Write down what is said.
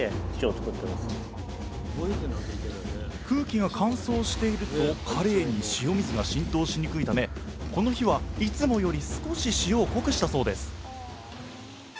空気が乾燥しているとカレイに塩水が浸透しにくいためこの日はいつもより少し塩を濃くしたそうです。